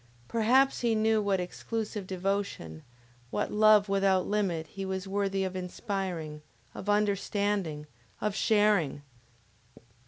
Perhaps he knew what exclusive devotion, what love without limit he was worthy of inspiring, of understanding, of sharing!